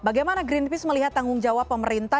bagaimana greenpeace melihat tanggung jawab pemerintah